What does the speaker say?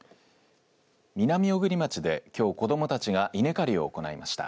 南小国町で、きょうこどもたちが稲刈りを行いました。